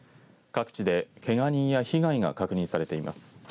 各地で、けが人や被害が確認されています。